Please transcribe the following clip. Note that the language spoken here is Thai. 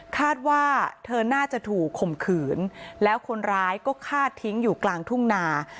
คาดว่าเธอน่าจะถูกข่มขืนแล้วคนร้ายก็ฆ่าทิ้งอยู่กลางทุ่งนา